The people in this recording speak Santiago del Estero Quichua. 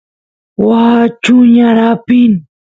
waa chuñar apin